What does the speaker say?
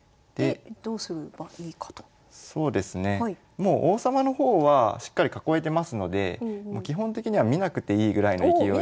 もう王様の方はしっかり囲えてますので基本的には見なくていいぐらいの勢いで。